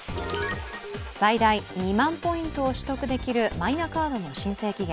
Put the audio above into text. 最大２万ポイントを取得できるマイナカードの申請期限。